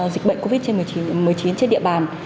dịch bệnh covid một mươi chín trên địa bàn